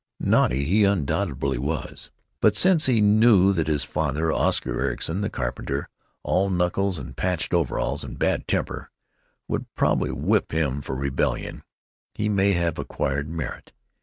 Naughty he undoubtedly was. But since he knew that his father, Oscar Ericson, the carpenter, all knuckles and patched overalls and bad temper, would probably whip him for rebellion, he may have acquired merit.